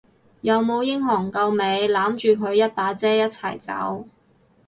有冇英雄救美攬住佢一把遮一齊走？